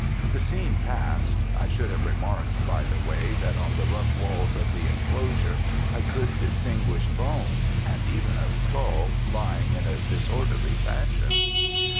The scene passed I should have remarked, by the way, that on the rough walls of the enclosure I could distinguish bones, and even a skull, lying in a disorderly fashion.